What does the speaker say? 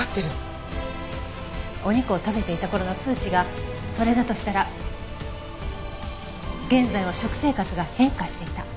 お肉を食べていた頃の数値がそれだとしたら現在は食生活が変化していた。